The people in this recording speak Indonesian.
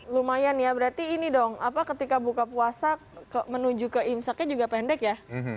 lumayan ya berarti ini dong ketika buka puasa menuju ke imsaknya juga pendek ya